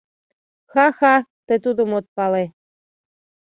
Ха-ха, тый тудым от пале.